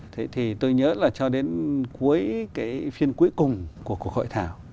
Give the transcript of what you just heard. thế thì tôi nhớ là cho đến cuối cái phiên cuối cùng của cuộc hội thảo